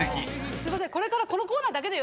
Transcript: すいません。